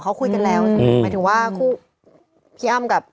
เขาคุยกันแล้วใช่ไหมหมายถึงว่าคู่พี่อ้ำกับ